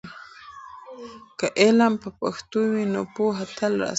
که علم په پښتو وي، نو پوهه تل راسره وي.